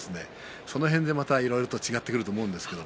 その辺でいろいろ違ってくると思うんですけれど。